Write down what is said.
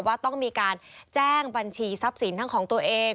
ว่าต้องมีการแจ้งบัญชีทรัพย์สินทั้งของตัวเอง